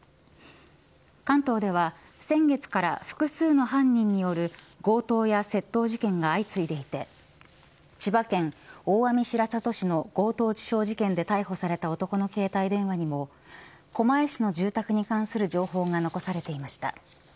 関東では、先月から複数の犯人による強盗や窃盗事件が相次いでいて千葉県大網白里市の強盗致傷事件で逮捕された男の携帯電話にも狛江市の住宅に関する情報が残されていました。